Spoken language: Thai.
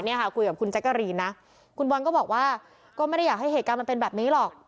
เนี่ยค่ะคุยกับคุณแจ๊กกะรีนนะคุณบอลก็บอกว่าก็ไม่ได้อยากให้เหตุการณ์มันเป็นแบบนี้หรอก